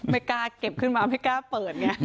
ไม่กล้าเก็บขึ้นมาไม่กล้าเปิดไง